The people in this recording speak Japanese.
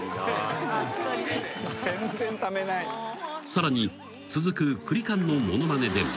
［さらに続くクリカンのものまねでも］